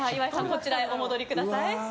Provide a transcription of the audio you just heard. こちらにお戻りください。